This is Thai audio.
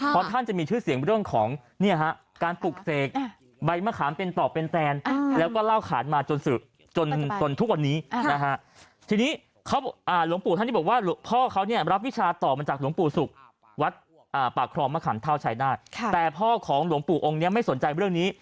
เพราะท่านมีชื่อเสียงการปลูกเสกใบมะขามเป็นต่อเป็นแทน